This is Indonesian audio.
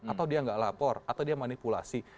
atau dia nggak lapor atau dia manipulasi